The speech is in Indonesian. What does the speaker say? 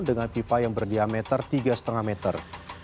dengan pipa yang berdiameter tiga lima meter